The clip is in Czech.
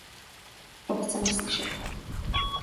To chceme slyšet.